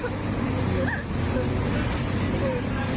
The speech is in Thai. ค่ะโอ้ยโอ้ย